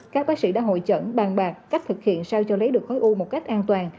các bác sĩ đã hội chẩn bàn bạc cách thực hiện sao cho lấy được khối u một cách an toàn